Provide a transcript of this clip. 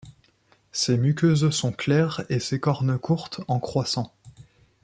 Ses muqueuses sont claires et ses cornes courtes en croissant.